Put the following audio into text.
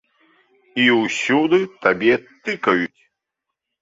І ўсюды табе тыкаюць.